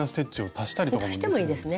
足してもいいですね。